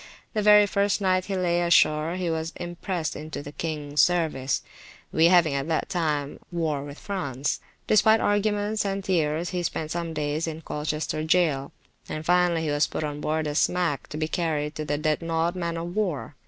The very first night he lay ashore, he was imprest into the kings service (we having at that time war with France); despite arguments and tears he spent some days in Colchester jail, and finally he was put on board a smack to be carried to the Dreadnought man of war.